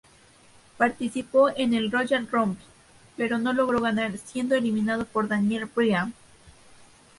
Participó en el "Royal Rumble", pero no logró ganar siendo eliminado por Daniel Bryan.